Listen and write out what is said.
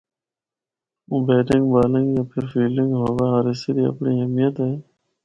او batting, bowling یا پھر فیلڈنگ ہوا ہر حصہ دی اپنڑی اہمیت اے۔